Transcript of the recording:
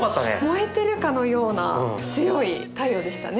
燃えてるかのような強い太陽でしたね。